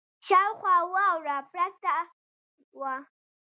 شاوخوا واوره پرته وه.